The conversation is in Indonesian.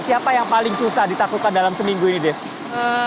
siapa yang paling susah ditaklukkan dalam seminggu ini dev